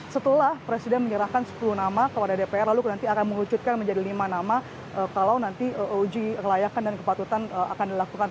setelah presiden menyerahkan sepuluh nama kepada dpr lalu nanti akan mengucutkan menjadi lima nama kalau nanti uji kelayakan dan kepatutan akan dilakukan